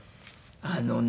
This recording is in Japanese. あのね